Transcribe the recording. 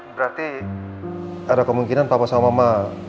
berarti ada kemungkinan papa sama mama